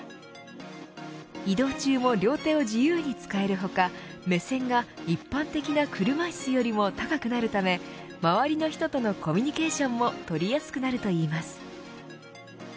移動中も両手を自由に使える他目線が一般的な車いすよりも高くなるため、周りの人とのコミュニケーションも取りやすくなるといいます。